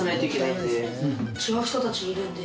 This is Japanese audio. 違う人たちいるんで。